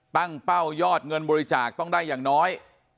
เป้ายอดเงินบริจาคต้องได้อย่างน้อย